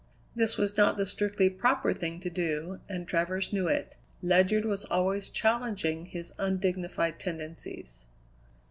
This was not the strictly proper thing to do, and Travers knew it. Ledyard was always challenging his undignified tendencies.